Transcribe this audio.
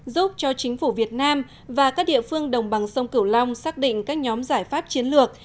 giúp cho chính phủ việt nam và các địa phương đồng bằng sông cửu long xác định các nhóm giải pháp chiến lược